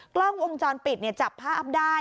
กล้องวงจรปิดเนี่ยจับผ้าอับได้